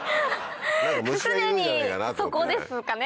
常にそこですかね？